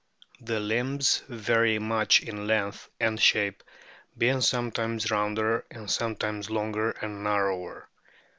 The limbs vary much in length and shape, being sometimes rounder and sometimes longer and narrower.